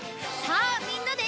さあみんなで。